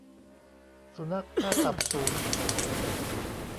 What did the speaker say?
สุนัขค่าตับสูง